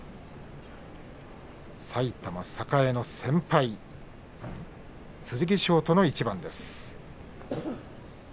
埼玉栄の先輩剣翔との一番です。